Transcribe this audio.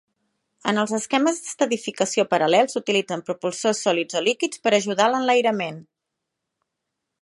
En els esquemes d'estadificació paral·lels s'utilitzen propulsors sòlids o líquids per ajudar a l'enlairament.